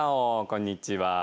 こんにちは。